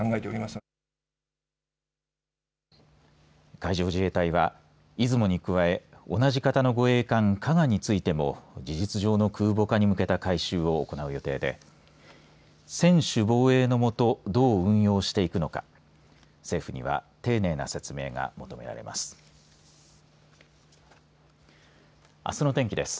海上自衛隊はいずもに加え同じ型の護衛艦かがについても事実上の空母化に向けた改修を行う予定で専守防衛のもとどう運用していくのか政府には丁寧な説明が求められます。